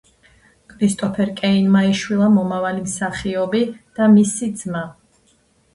კრისტოფერ კეინმა იშვილა მომავალი მსახიობი და მისი ძმა.